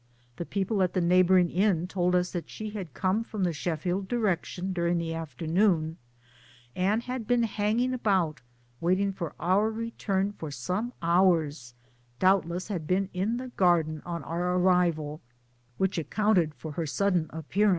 The people at the neigh boring inn told us that she had come from the Sheffield direction during the afternoon, and had been hanging about waiting for our return for some hours, doubtless had been in the garden on our arrival which accounted for her sudden appearance 17.